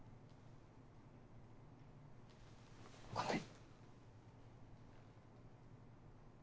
ごめん。